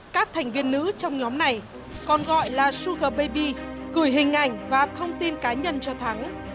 các thành viên nữ trong nhóm này còn gọi là sugar baby gửi hình ảnh và thông tin cá nhân cho thắng